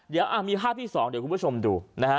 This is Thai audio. เดี๋ยวมีภาพที่๒เดี๋ยวคุณผู้ชมดูนะฮะ